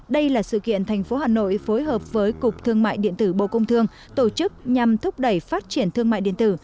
đây là sự kiện thành phố hà nội phối hợp với cục thương mại điện tử bộ công thương tổ chức nhằm thúc đẩy phát triển thương mại điện tử